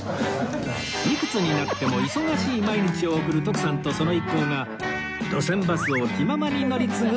いくつになっても忙しい毎日を送る徳さんとその一行が路線バスを気ままに乗り継ぐ寄り道の旅